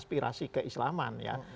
aspirasi keislaman ya